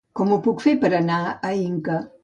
Com ho puc fer per anar a Inca?